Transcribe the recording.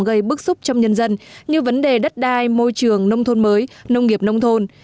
gây bức xúc trong nhân dân như vấn đề đất đai môi trường nông thôn mới nông nghiệp nông thôn